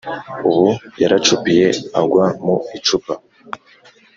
ubu yaracupiye agwa mu icupa